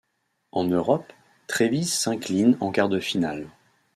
En Europe, Trévise s'incline en quart de finale.